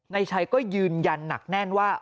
นายชัยก็ยืนยันหนักแน่นว่า